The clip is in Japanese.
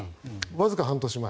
わずか半年前。